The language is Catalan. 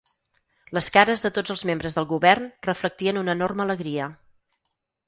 Les cares de tots els membres del govern reflectien una enorme alegria.